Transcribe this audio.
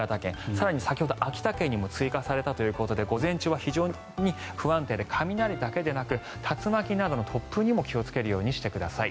更に先ほど秋田県も追加されたということで午前中は非常に不安定で雷だけではなく竜巻などの突風にも気をつけるようにしてください。